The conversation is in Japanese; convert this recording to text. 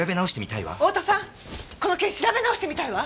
この件調べ直してみたいわ！